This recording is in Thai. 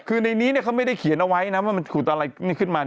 คือในนี้เขาไม่ได้เขียนเอาไว้นะว่ามันขุดอะไรขึ้นมา